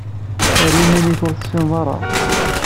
Err iman-ik ur t-tessineḍ ara.